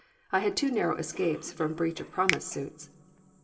I had two narrow escapes from breach of promise suits.